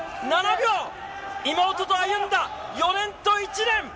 妹と歩んだ４年と１年。